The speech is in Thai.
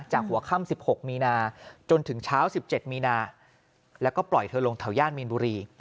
หัวค่ำ๑๖มีนาจนถึงเช้า๑๗มีนาแล้วก็ปล่อยเธอลงแถวย่านมีนบุรี